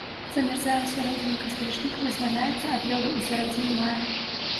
Замярзае ў сярэдзіне кастрычніка, вызваляецца ад лёду ў сярэдзіне мая.